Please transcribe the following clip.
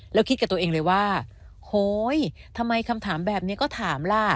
แล้วคิดกับตัวเองเลยว่าโฮทำไมคำถามแบบนี้ก็ถามล่ะ